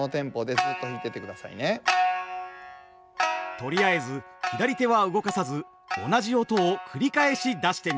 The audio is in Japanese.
とりあえず左手は動かさず同じ音を繰り返し出してみます。